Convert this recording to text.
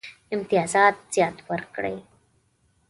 امتیازات ورکړي.